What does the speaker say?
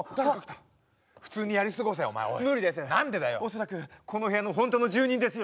恐らくこの部屋の本当の住人ですよ。